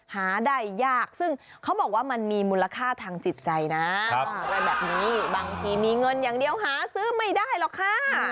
หาได้ยากซึ่งเขาบอกว่ามันมีมูลค่าทางจิตใจนะอะไรแบบนี้บางทีมีเงินอย่างเดียวหาซื้อไม่ได้หรอกค่ะ